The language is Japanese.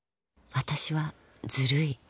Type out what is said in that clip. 私はずるい